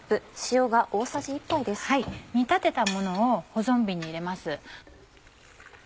煮立てたものを保存瓶に入れます。